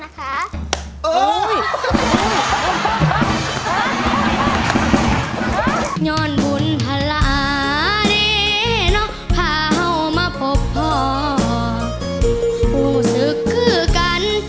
ขออนุญาณนะคะ